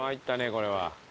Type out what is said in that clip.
これは。